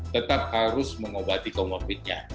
tetap harus mengobati comorbidnya